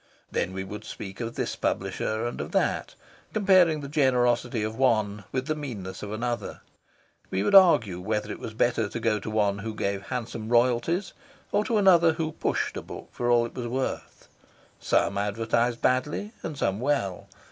Then we would speak of this publisher and of that, comparing the generosity of one with the meanness of another; we would argue whether it was better to go to one who gave handsome royalties or to another who "pushed" a book for all it was worth. Some advertised badly and some well.